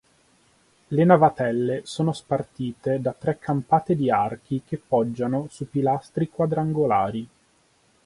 Le navatelle sono spartite da tre campate di archi che poggiano su pilastri quadrangolari.